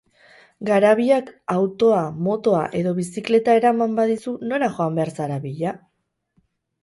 Garabiak autoa, motoa edo bizikleta eraman badizu nora joan behar zara bila?